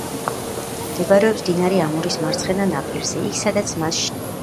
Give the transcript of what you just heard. მდებარეობს მდინარე ამურის მარცხენა ნაპირზე, იქ სადაც მას შეერთვის მდინარე ზეა.